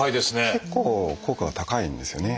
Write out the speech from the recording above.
結構効果が高いんですよね。